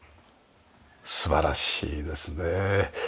素晴らしいですね。